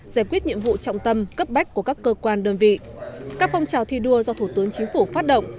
giải quyết nhiệm vụ trọng tâm cấp bách của các cơ quan đơn vị các phong trào thi đua do thủ tướng chính phủ phát động